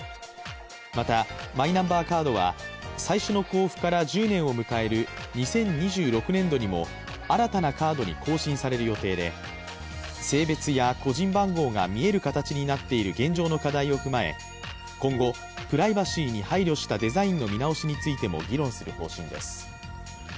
また、マイナンバーカードは最初の交付から１０年を迎える２０２６年度にも新たなカードに更新される予定で性別や個人番号が見える形になっている現状の課題を踏まえ今後、プライバシーに配慮したデザインの見直しについても議論する方針です。